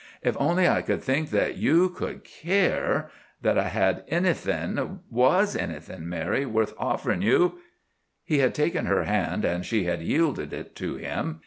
Ef only I could think that you could care—that I had anything, was anything, Mary, worth offering you—" He had taken her hand, and she had yielded it to him.